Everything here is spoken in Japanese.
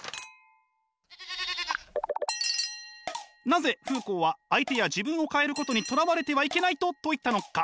なぜフーコーは相手や自分を変えることにとらわれてはいけないと説いたのか。